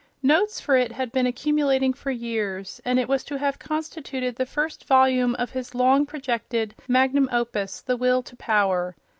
Notes for it had been accumulating for years and it was to have constituted the first volume of his long projected magnum opus, "The Will to Power."